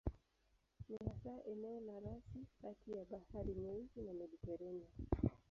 Ni hasa eneo la rasi kati ya Bahari Nyeusi na Mediteranea.